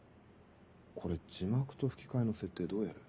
これ字幕と吹き替えの設定どうやる？